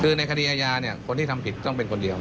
คือในคดีอาญาเนี่ยคนที่ทำผิดต้องเป็นคนเดียว